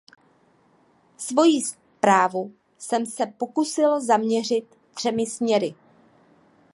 Svoji zprávu jsem se pokusil zaměřit třemi směry.